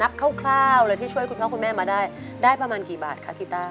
คร่าวเลยที่ช่วยคุณพ่อคุณแม่มาได้ได้ประมาณกี่บาทคะกีต้า